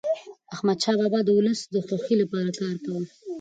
احمدشاه بابا د ولس د خوښی لپاره کار کاوه.